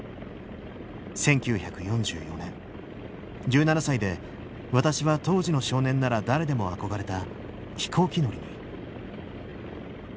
１９４４年１７歳で私は当時の少年なら誰でも憧れた飛行機乗りに。